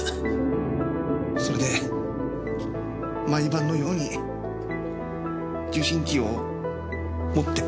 それで毎晩のように受信機を持って。